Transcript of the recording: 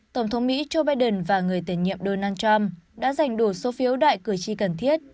joe biden và người tiền nhiệm donald trump đã giành đủ số phiếu đại cử tri cần thiết